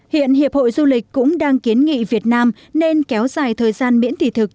hiện hiệp hội du lịch cũng đang kiến nghị việt nam nên kéo dài thời gian miễn thị thực